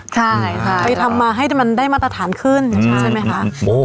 ใช่ค่ะไปทำมาให้มันได้มาตรฐานขึ้นใช่ไหมคะ